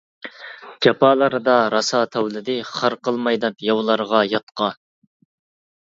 جاپالاردا راسا تاۋلىدى، خار قىلماي دەپ ياۋلارغا-ياتقا.